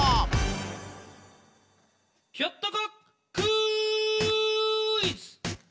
ひょっとこクイズ！